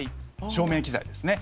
照明機材ですね。